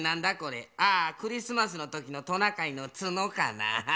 あクリスマスのときのトナカイのつのかな？